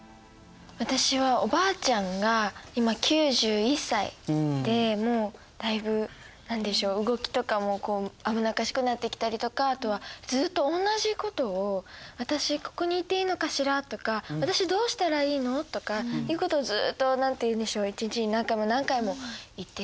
私はおばあちゃんが今９１歳でもうだいぶ何でしょう動きとかも危なっかしくなってきたりとかあとはずっと同じことを「私ここにいていいのかしら？」とか「私どうしたらいいの？」とかっていうことをずっと何て言うんでしょう一日に何回も何回も言っていますね。